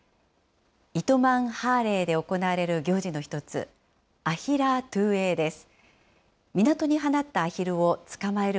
糸満ハーレーで行われる行事の１つ、アヒラートゥーエーです。